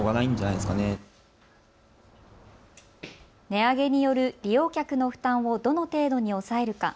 値上げによる利用客の負担をどの程度に抑えるか。